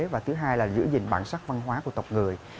và thứ hai là giữ gìn bản sắc văn hóa của tộc người